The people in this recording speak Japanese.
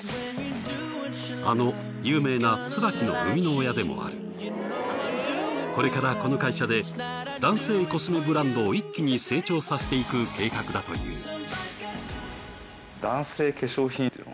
あの有名なＴＳＵＢＡＫＩの生みの親でもありこれからこの会社で男性コスメブランドを一気に成長させていく計画だという。